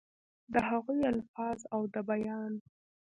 دَ هغوي الفاظ او دَ بيان